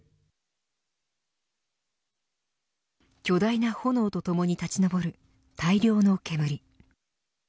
巨大な炎とともに立ち上る大量の煙。